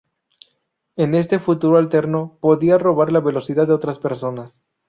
En este futuro alterno, podía robar la velocidad de otras personas.